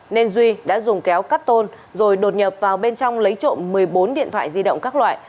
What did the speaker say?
nên duy đã dùng kéo cắt tôn rồi đột nhập vào bên trong lấy trộm một mươi bốn điện thoại di động các loại